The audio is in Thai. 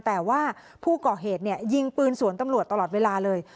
แต่ว่าผู้ก่อเหตุยิงปืนสวนตำรวจตลอดเวลาเลย